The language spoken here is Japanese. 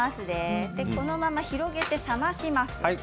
このまま広げて冷まします。